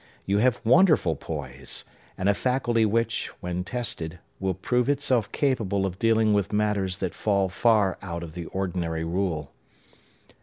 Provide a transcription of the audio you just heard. You have wonderful poise, and a faculty which, when tested, will prove itself capable of dealing with matters that fall far out of the ordinary rule."